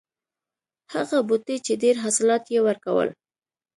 هغه بوټی چې ډېر حاصلات یې ورکول.